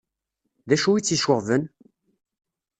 D acu i tt-iceɣben?